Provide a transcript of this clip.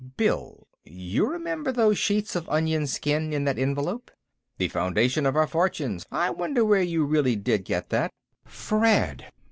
"Bill! You remember those sheets of onion skin in that envelope?" "The foundation of our fortunes; I wonder where you really did get that.... Fred!"